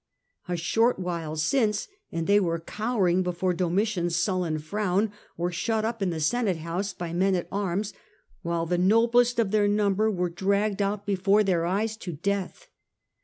A short while since and they were cowering before Domitian's sullen frown, or shut up in the senate house by men at arms while the noblest of tlieir number were dragged out before their eyes to death.